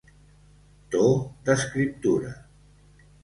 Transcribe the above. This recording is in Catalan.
To d'escriptura: